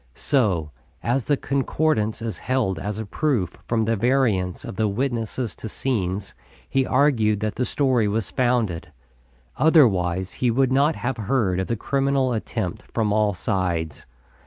So, as the Concordance is held as a proof from the variance of the witnesses to scenes, he argued that the story was founded. Otherwise he would not have heard of the criminal attempt from all sides.